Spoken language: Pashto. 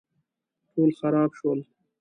ټول خراب شول